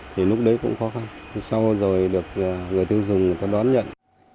thì lúc đấy cũng khó khăn sau rồi được người tiêu dùng người ta đón nhận